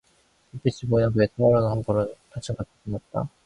불빛에 보이는 그의 타오르는 듯 한 볼은 한층 더 빛이 났다.